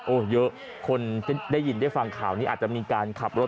เยอะคนที่ได้ยินได้ฟังข่าวนี้อาจจะมีการขับรถ